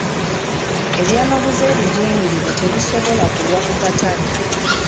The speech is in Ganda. Ebyamaguzi ebijingirire tebisobola kulwa ku katale.